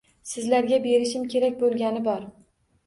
Sizlarga berishim kerak boʻlgani bor.